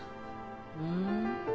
うん？